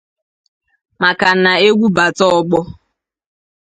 maka na egwu bata ọgbọ